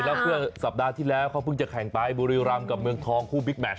แล้วเมื่อสัปดาห์ที่แล้วเขาเพิ่งจะแข่งไปบุรีรำกับเมืองทองคู่บิ๊กแมช